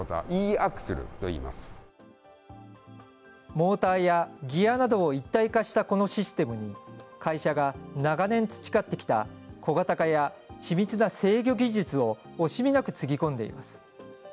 モーターやギヤなどを一体化したこのシステムに、会社が長年培ってきた、小型化や緻密な制御技術を惜しみなくつぎ込んでいます。